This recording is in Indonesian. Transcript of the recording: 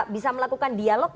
bisa melakukan dialog gak